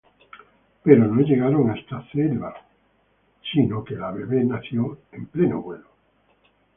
Pero no llegaron hasta Ceiba, ¡sino que la bebe nació en pleno vuelo!